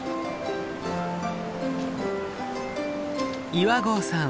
岩合さん